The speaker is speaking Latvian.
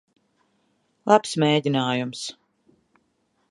Labs mēģinājums.